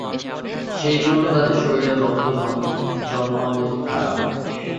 সেইজন্য তাদের শরীরের রক্ত জন্মাবধি খারাপ।